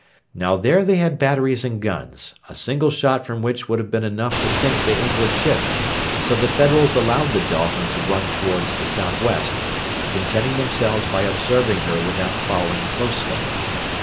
Now there they had batteries and guns, a single shot from which would have been enough to sink the English ship; so the Federals allowed the Dolphin to run towards the south west, contenting themselves by observing her without following closely.